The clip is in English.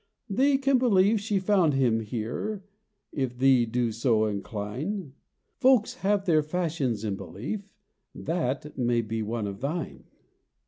"Thee can believe she found him here, If thee do so incline. Folks have their fashions in belief That may be one of thine.